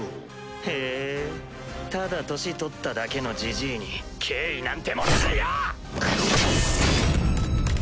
へぇただ年取っただけのジジイに敬意なんて持たないよ！